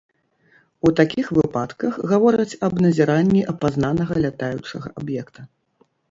У такіх выпадках гавораць аб назіранні апазнанага лятаючага аб'екта.